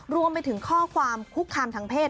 รวมไปถึงข้อความคุกคามทางเพศ